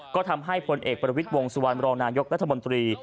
ก็ทำให้พลเอกประวิทย์วงสุวรรณรองนายกรัฐมนตรี